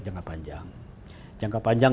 jangka panjang jangka panjang